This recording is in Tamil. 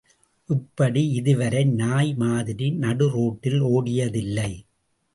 இப்படி இதுவரை நாய் மாதிரி நடுரோட்டில் ஓடியதில்லை.